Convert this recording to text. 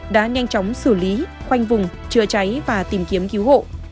đã nhanh chóng xử lý khoanh vùng chữa cháy và tìm kiếm cứu hộ